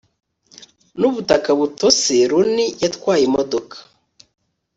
n'ubutaka butose. lonnie yatwaye imodoka